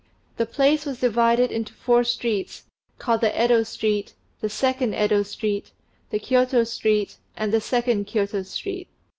The place was divided into four streets, called the Yedo Street, the Second Yedo Street, the Kiôto Street, and the Second Kiôto Street.